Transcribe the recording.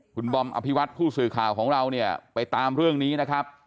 คุณบอมอภิวัตผู้สื่อข่าวของเราเนี่ยไปตามเรื่องนี้นะครับ